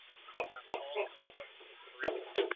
Je rekreačním místem pro obyvatele Budapešti.